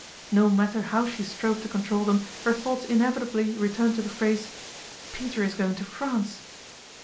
No matter how she strove to control them, her thoughts inevitably returned to the phrase, " Peter is going to France."